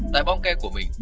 tại bong ke của mình